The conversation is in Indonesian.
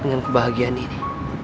dengan kebahagiaan ini